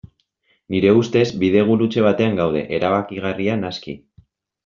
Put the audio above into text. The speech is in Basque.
Nire ustez, bidegurutze batean gaude, erabakigarria naski.